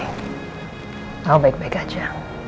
i'll make back at ya